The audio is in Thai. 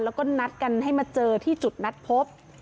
แล้วก็นัดกันให้มาเจอที่จุดนัดพบ